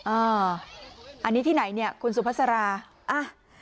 อันนี้ที่ไหนเนี่ยคุณสุภาษาอ่ะ